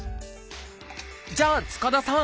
じゃあ塚田さん